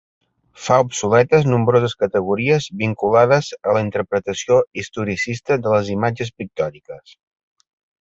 Fa obsoletes nombroses categories vinculades a la interpretació historicista de les imatges pictòriques.